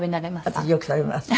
私よく食べます。